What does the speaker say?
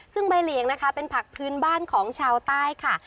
ซึ่งใบเหลียงนะคะเป็นผักพื้นบ้านของชาวใต้ค่ะ